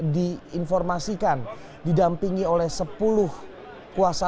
diinformasikan didampingi oleh sepuluh kuasa